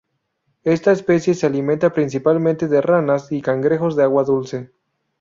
Esta especie se alimenta principalmente de ranas y cangrejos de agua dulce.